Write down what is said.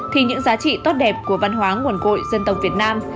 thì những giá trị tốt đẹp của văn hóa nguồn cội dân tộc việt nam